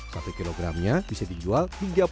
satu kilogramnya bisa dijual